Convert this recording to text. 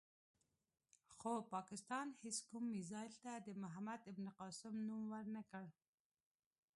خو پاکستان هېڅ کوم میزایل ته د محمد بن قاسم نوم ور نه کړ.